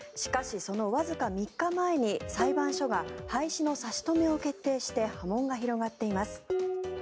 しかしそのわずか３日前に裁判所が廃止の差し止めを決定して波紋が広がっています。